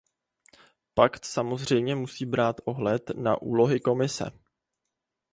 Pakt samozřejmě musí brát ohled i na úlohu Komise.